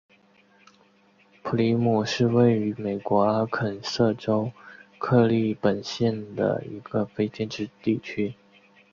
普里姆是位于美国阿肯色州克利本县的一个非建制地区。